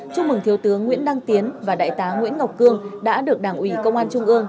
chúc mừng thiếu tướng nguyễn đăng tiến và đại tá nguyễn ngọc cương đã được đảng ủy công an trung ương